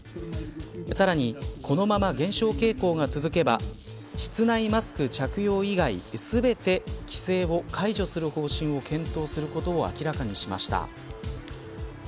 さらにこのまま減少傾向が続けば室内マスク着用以外全て、規制を解除する方針を検討することを明らかにしました。